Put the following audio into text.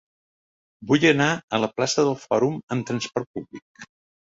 Vull anar a la plaça del Fòrum amb trasport públic.